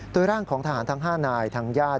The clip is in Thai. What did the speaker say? โดยร่างของทหารทั้ง๕นายทางญาติ